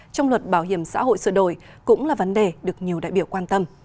trong luật bảo hiểm xã hội sửa đổi cũng là vấn đề được nhiều đại biểu quan tâm